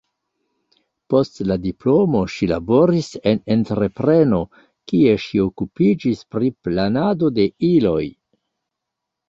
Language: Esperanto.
Post la diplomo ŝi laboris en entrepreno, kie ŝi okupiĝis pri planado de iloj.